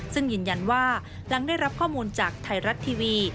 ซึ่งยืนยันว่าหลังได้รับข้อมูลจากไทยรัฐทีวี